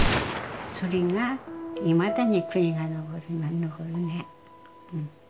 それがいまだに悔いが残るね。